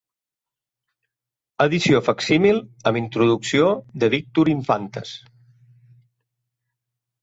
Edició facsímil amb introducció de Víctor Infantes.